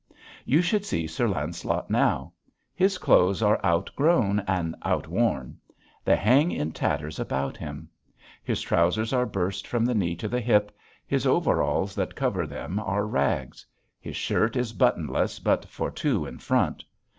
You should see Sir Lancelot now. His clothes are outgrown and outworn. They hang in tatters about him. His trousers are burst from the knee to the hip, his overalls that cover them are rags. His shirt is buttonless but for two in front.